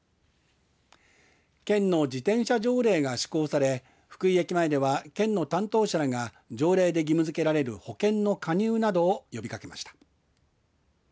県の自転車条例が施行され福井駅前では県の担当者らが条例で義務づけられる保険の加入などを呼びかけました。